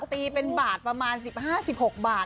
ตีเป็นบาทประมาณ๑๕๑๖บาท